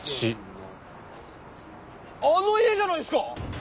あの家じゃないですか！